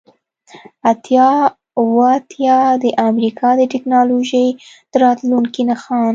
اتیا اوه اتیا د امریکا د ټیکنالوژۍ د راتلونکي نښان